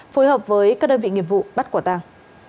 phối hợp với các đơn vị nghiệp vụ bắt quả tàng